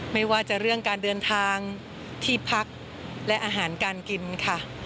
ไม่ว่าจะเรื่องการเดินทางที่พักและอาหารการกินค่ะ